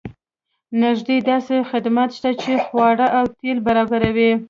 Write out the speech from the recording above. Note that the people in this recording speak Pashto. نږدې داسې خدمات شته چې خواړه او تیل برابروي